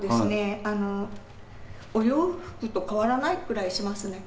お洋服と変わらないくらいしますね。